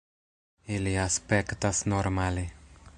Ili aspektas normale.